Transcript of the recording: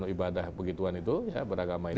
ibadah begituan itu beragama hindu